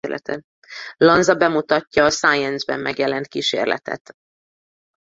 Lanza bemutatja a Science-ben megjelent kísérletet.